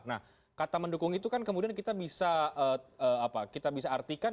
nah kata mendukung itu kan kemudian kita bisa artikan